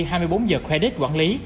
hai mươi bốn h credit quản lý